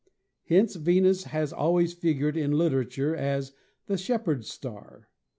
Hence Venus has always figured in literature as the "Shepherds' Star."